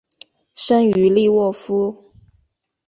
生于利沃夫。